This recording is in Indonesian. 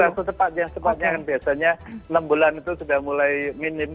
langsung cepat yang cepatnya biasanya enam bulan itu sudah mulai minim